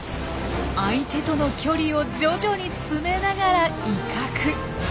相手との距離を徐々に詰めながら威嚇。